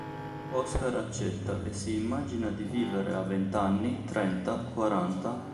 Oscar accetta e si immagina di vivere a vent'anni, trenta, quaranta...